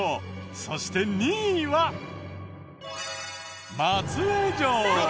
そして２位は松江城。